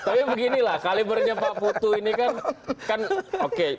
tapi beginilah kalibernya pak butuh ini kan kan oke